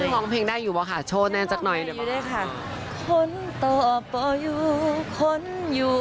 ฟังเพลงได้อยู่บ้างค่ะโชว์แน่นจักรหน่อย